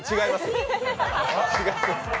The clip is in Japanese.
違います。